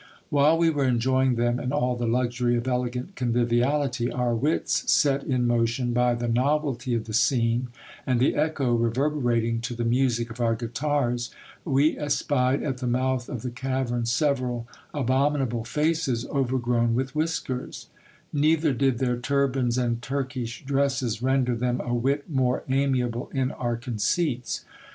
While we were enjoying them in all the luxury of elegant conviviality, our wits set in motion by the novelty of the scene, and the echo reverberating to the music of our guitars, we espied at the mouth of the cavern several abominable faces overgrown with whiskers ; neither did their turbans and Turkish dresses render them a whit more amiable in our conceits.